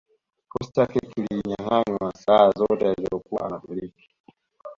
Kikosi chake kilianyanganywa silaha zote alizokuwa anamiliki